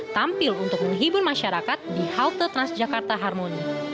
tampil untuk menghibur masyarakat di halte tras jakarta harmoni